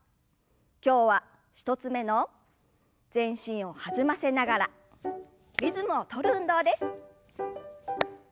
今日は１つ目の全身を弾ませながらリズムを取る運動です。